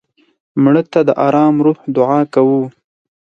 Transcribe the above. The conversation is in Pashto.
مړه ته د ارام روح دعا کوو